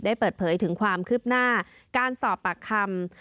เปิดเผยถึงความคืบหน้าการสอบปากคำ